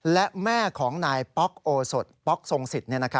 และแม่ของนายป๊อกโอสดป๊อกทรงสิทธิ์